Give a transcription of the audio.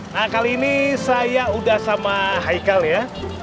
nah kali ini saya udah sama haikal ya